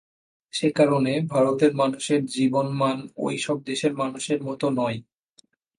সে কারণে ভারতের মানুষের জীবনমান ওই সব দেশের মানুষের মতো নয়।